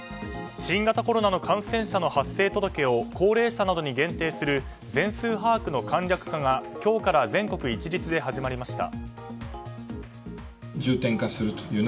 新型コロナの感染者の発生届を高齢者などに限定する全数把握の簡略化が今日から全国一律で始まりました。